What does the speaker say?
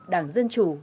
đảng dân chủ